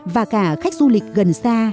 và cả khách du lịch gần xa